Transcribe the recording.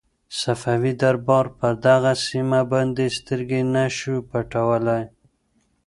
صفوي دربار پر دغه سیمه باندې سترګې نه شوای پټولای.